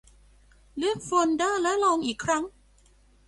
เลือกโฟลเดอร์และลองอีกครั้ง